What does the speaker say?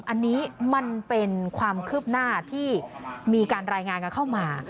อันนี้มันเป็นความคืบหน้าที่มีการรายงานกันเข้ามา